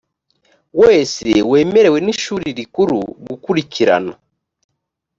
wese wemerewe n ishuri rikuru gukurikirana